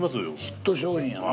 ヒット商品やな。